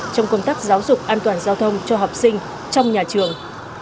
trong công tác giáo dục an toàn giao thông cho học sinh trong nhà trường